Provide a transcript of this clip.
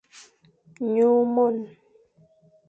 Nyu mon.